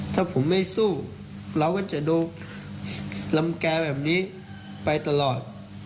ถ้าผมไม่สู้เราก็จะดูรังแก่แบบนี้ไปตลอด